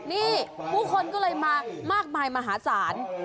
นี่ผู้คนก็เลยมามากมายมหาศาล